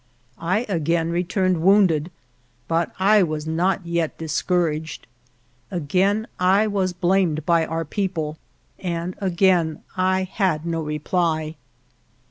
I again returned wounded, but I was not yet discouraged. Again I was blamed by our people, and again I had no reply.